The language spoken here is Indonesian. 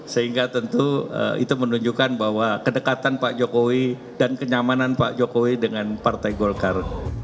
sehingga tentu itu menunjukkan bahwa kedekatan pak jokowi dan kenyamanan pak jokowi dengan partai golkar